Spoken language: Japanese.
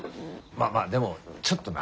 まあまあでもちょっとな。